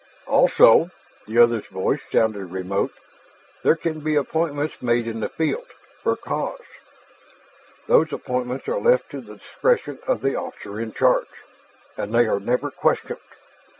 "Also," the other's voice sounded remote, "there can be appointments made in the field for cause. Those appointments are left to the discretion of the officer in charge, and they are never questioned.